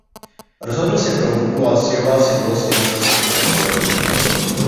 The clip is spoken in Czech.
Rozhodl se pro hudbu a odstěhoval se do Los Angeles v Kalifornii.